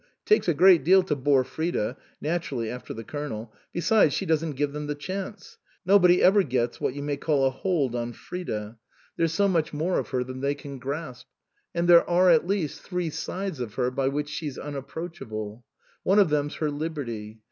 It takes a great deal to bore Frida naturally, after the Colonel. Besides she doesn't give them the chance. Nobody ever gets what you may call a hold on Frida. There's so much 167 THE COSMOPOLITAN more of her than they can grasp. And there are, at least, three sides of her by which she's unapproachable. One of them's her liberty.